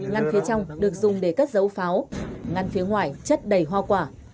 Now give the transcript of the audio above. ngăn phía trong được dùng để cất dấu pháo ngăn phía ngoài chất đầy hoa quả